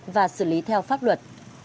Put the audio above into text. và xử lý theo pháp luật